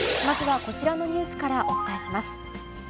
まずはこちらのニュースからお伝えします。